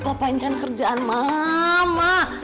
papa inginkan kerjaan mama